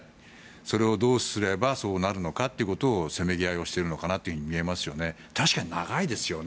それをどうすればそうなるのかせめぎ合いをしているのかなと見えますよね。